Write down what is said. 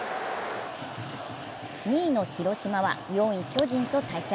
２位の広島は４位・巨人と対戦。